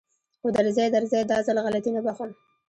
خو درځي درځي دا ځل غلطي نه بښم.